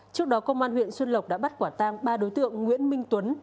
trước đó công an huyện xuân lộc đã bắt quả tang ba đối tượng nguyễn minh tuấn